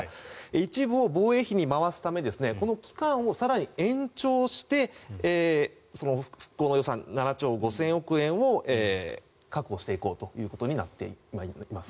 一部を防衛費に回すためこの期間を更に延長して復興予算７兆５０００億円を確保していこうということになっています。